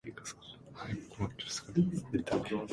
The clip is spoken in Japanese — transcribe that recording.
バレンシア県の県都はバレンシアである